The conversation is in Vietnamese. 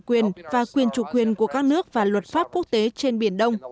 quyền và quyền chủ quyền của các nước và luật pháp quốc tế trên biển đông